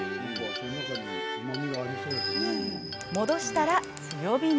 戻したら強火に。